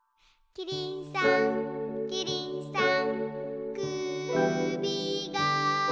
「キリンさんキリンさん」